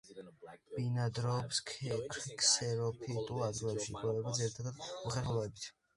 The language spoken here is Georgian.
ბინადრობს ქსეროფიტულ ადგილებში, იკვებება ძირითადად უხერხემლოებით.